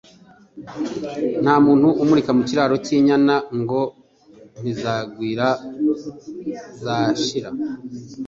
Nta mu ntu umurika mu kiraro cy’inyana, ngo ntizagwira zashira